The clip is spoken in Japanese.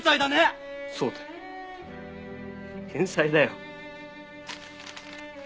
そうだ天才だよ。